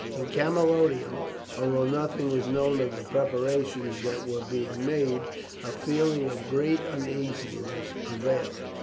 In Camalodunum, although nothing was known of the preparations that were being made, a feeling of great uneasiness prevailed.